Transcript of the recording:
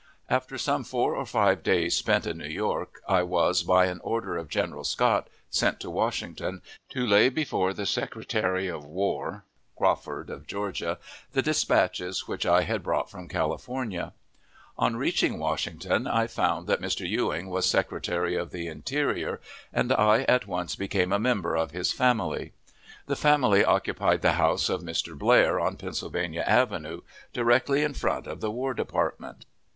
After some four or five days spent in New York, I was, by an order of General Scott, sent to Washington, to lay before the Secretary of War (Crawford, of Georgia) the dispatches which I had brought from California. On reaching Washington, I found that Mr. Ewing was Secretary of the Interior, and I at once became a member of his family. The family occupied the house of Mr. Blair, on Pennsylvania Avenue, directly in front of the War Department.